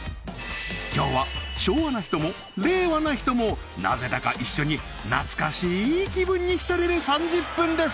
今日は昭和な人も令和な人もなぜだか一緒に懐かしい気分に浸れる３０分です